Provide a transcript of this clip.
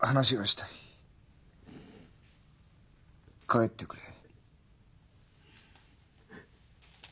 帰ってくれ。